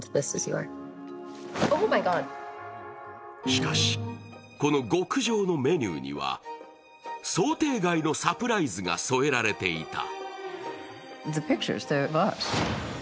しかし、この極上のメニューには想定外のサプライズが添えられていた。